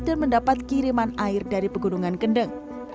dan mendapat kiriman air dari pegunungan kendeng